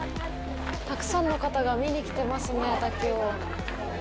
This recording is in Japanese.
たくさんの方が見に来ていますね、滝を。